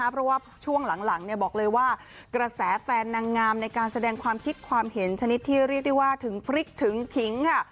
เพราะว่าช่วงหลังบอกเลยว่ากระแสแฟนนางงามในการแสดงความคิดความเห็นชนิดที่เรียกได้ว่าถึงพริกถึงขิงค่ะ